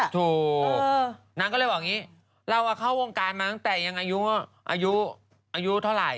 ถูกนางก็เลยบอกอย่างนี้เราเข้าวงการมาตั้งแต่ยังอายุเท่าไหร่